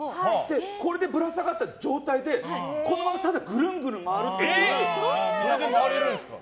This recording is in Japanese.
これでぶら下がった状態でこのまま、ただそれで回れるんですか？